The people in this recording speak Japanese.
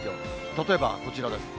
例えばこちらです。